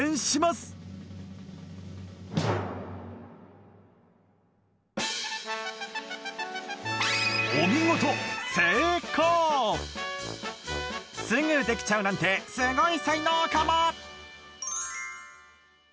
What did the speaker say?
すぐできちゃうなんてすごい才能かも！